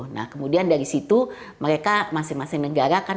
nah kemudian dari situ mereka masing masing negara kan